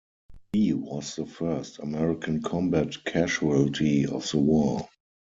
He was the first American combat casualty of the war.